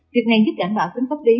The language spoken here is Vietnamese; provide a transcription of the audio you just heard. việc này giúp cảnh bảo tính pháp lý